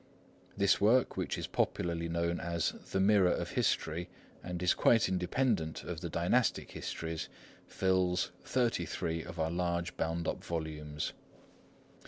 This work, which is popularly known as The Mirror of History, and is quite independent of the dynastic histories, fills thirty three of our large bound up volumes.